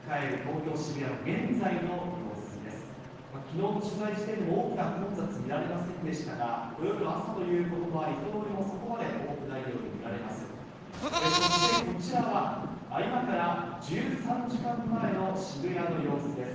きのうの取材時点でも大きな混雑見られませんでしたが、土曜日の朝ということもあり、人通りもそこまで多くないように見られます。